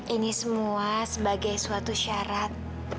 ini semua sebagai suatu syarat